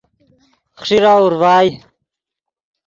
خیݰیرہ اورڤائے